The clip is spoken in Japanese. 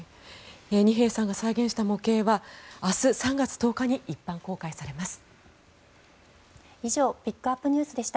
二瓶さんが再現した模型は明日、３月１０日に一般公開されます。